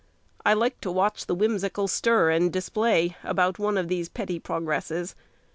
I like to watch the whimsical stir and display about one of these petty progresses.